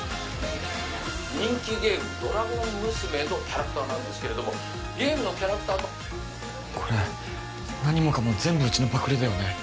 人気ゲームドラゴン娘のキャラクターなんですけれどもゲームのキャラクターとこれ何もかも全部うちのパクリだよね